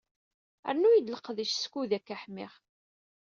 Rnu-yi-d leqdic skud akka ḥmiɣ.